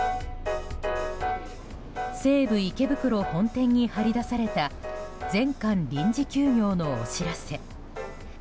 西武池袋本店に貼り出された全館臨時休業のお知らせ。